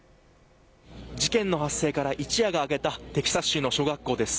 事件の発生から一夜が明けたテキサス州の小学校です。